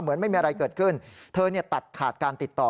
เหมือนไม่มีอะไรเกิดขึ้นเธอเนี้ยตัดขาดการติดต่อ